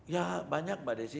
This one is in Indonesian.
ya banyak mbak desy